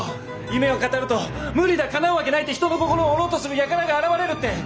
「夢を語ると『無理だ。かなうわけない』って人の心を折ろうとする輩が現れる」って！